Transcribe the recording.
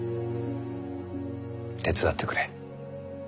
手伝ってくれ。